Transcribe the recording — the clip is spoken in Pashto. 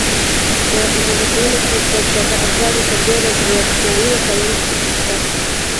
په اندازه کولو کې پر ساده افزارو سربېره برېښنایي وسایل شته.